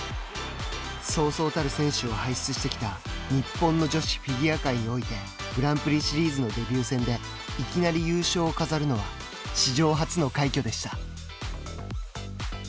そうそうたる選手を輩出してきた日本の女子フィギュア界においてグランプリシリーズのデビュー戦でいきなり優勝を飾るのは史上初の快挙でした。